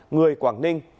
người quảng ninh